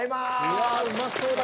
うわうまそうだ。